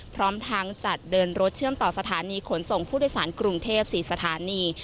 พร้อมทางจัดเดินรถเชื่อมต่อสถานีขนส่งผู้โดยสารกรุงเทพ๔สถานี